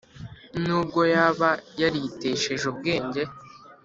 n ubwo yaba yaritesheje ubwenge